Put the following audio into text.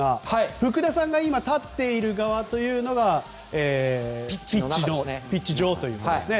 福田さんが今、立っている側がピッチ上ということですね。